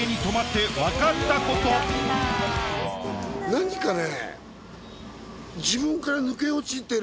何かね。